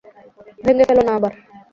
ভেঙ্গে ফেলো না আবার।